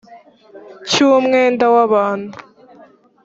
cy umwenda w abantu